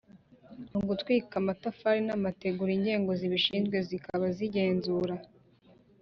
Mu gutwika amatafari n amategura inzego zibishinzwe zikaba zigenzura